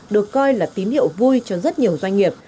được coi là tín hiệu vui cho rất nhiều doanh nghiệp